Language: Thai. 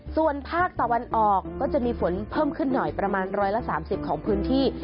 ส่วนภาคตะวันออกก็จะมีฝนเพิ่มขึ้นหน่อยประมาณ๑๓๐ของพื้นที่